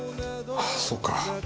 ああそうか。